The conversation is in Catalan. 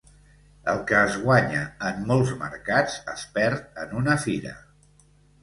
El que es guanya en molts mercats es perd en una fira.